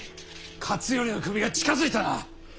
勝頼の首が近づいたな！